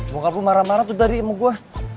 bokap lo marah marah tuh tadi sama gue